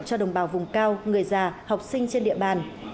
cho đồng bào vùng cao người già học sinh trên địa bàn